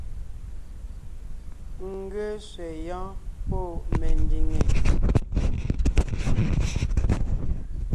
N ge sẅɛ yɔ́ɔn pɔ́ mendìŋe!